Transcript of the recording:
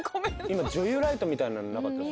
今女優ライトみたいなのなかった？